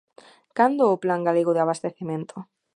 ¿Cando o plan galego de abastecemento?